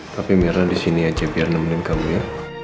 tapi mirna disini aja biar nemenin kamu ya